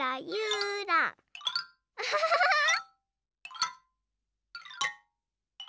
アハハハハハ！